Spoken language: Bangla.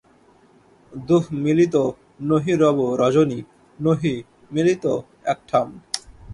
দুঁহু মিলত নহীঁ রব রজনী নহীঁ মিলত একঠাম।